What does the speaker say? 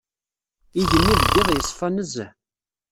Igenni deg iḍ yeṣfa nezzeh.